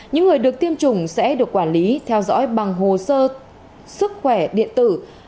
những người được tiêm chủng sẽ được quản lý theo dõi bằng hồ sơ sức khỏe điện tử